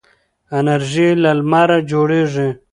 انرژي له لمره جوړیږي.